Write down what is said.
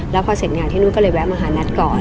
แล้วพอเสร็จงานที่นู่นก็เลยแวะมาหานัทก่อน